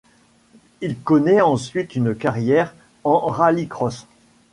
Il connait ensuite une carrière en rallycross.